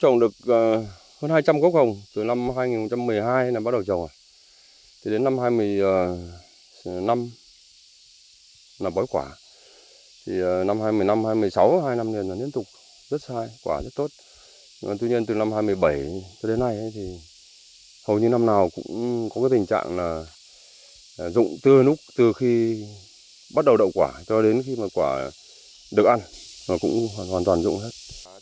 năm nào cũng có tình trạng dụng tươi núc từ khi bắt đầu đậu quả cho đến khi quả được ăn cũng hoàn toàn dụng hết